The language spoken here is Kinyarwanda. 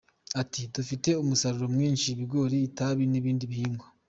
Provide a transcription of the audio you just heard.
Ati” Dufite umusaruro mwinshi, ibigori, itabi n’ibindi bihingwa.